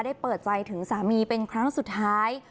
เปิดใจถึงสามีเป็นครั้งสุดท้าย